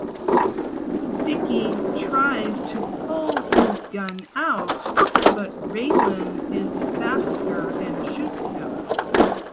Dickie tries to pull his gun out but Raylan is faster and shoots him.